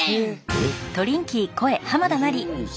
えっ？